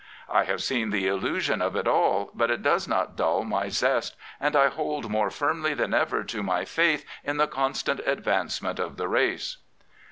I have seen the illusion of it all, but it does not dull my zest, and I hold more firmly than ever to my faith in the constant advancement of the race."